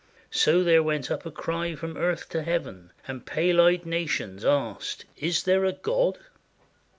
So there went up a cry from earth to heaven. And pale eyed nations asked, "Is there a God?"